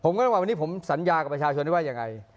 ผมก็ต้องว่าวันนี้ผมสัญญากับประชาชนได้ว่ายังไง